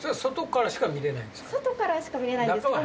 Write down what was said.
外からしか見れないんですか？